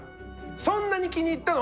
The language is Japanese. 「そんなに気に入ったの？